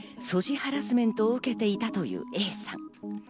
ハラスメントを受けていたというＡさん。